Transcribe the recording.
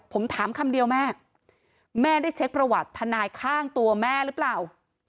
ผมถามคำเดียวแม่แม่ได้เช็คประวัติทนายข้างตัวแม่หรือเปล่า